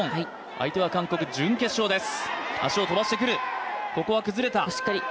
相手は韓国、準決勝です。